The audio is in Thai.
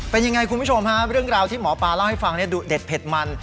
เป็นยังไงคุณผู้ชมฮะเรื่องราวที่หมอปลาเล่าให้ฟังดูเด็ดเผ็ดมัน